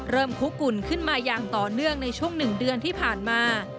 คุกกุ่นขึ้นมาอย่างต่อเนื่องในช่วง๑เดือนที่ผ่านมา